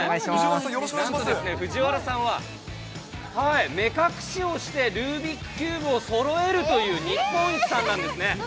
なんと藤原さんは、目隠しをしてルービックキューブをそろえるという日本一さんなんですね。